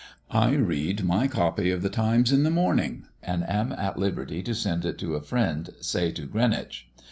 I read my copy of the Times in the morning, and am at liberty to send it to a friend, say to Greenwich.